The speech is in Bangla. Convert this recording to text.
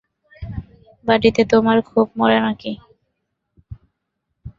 বাড়িতে তোমাকে খুব মারে নাকি?